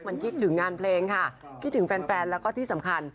มันคิดถึงงานเพลงค่ะคิดถึงแฟนแล้วก็ที่สำคัญ